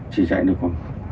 chỉ chạy được khoảng